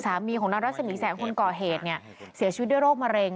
สามีของนารสมีแสงคุณก่อเหตุเสียชีวิตด้วยโรคมะเร็ง